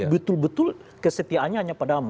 betul betul kesetiaannya hanya padamu